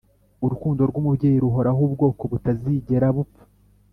urukundo rw'umubyeyi ruhoraho, ubwoko butazigera bupfa.